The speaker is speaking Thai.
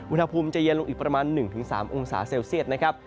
อุณหภูมิจะเย็นลงอีกประมาณ๑๓องศาเซลเซียตนะครับ